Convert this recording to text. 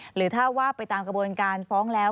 หรือถ้าว่าไปตามกระบวนการฟ้องแล้ว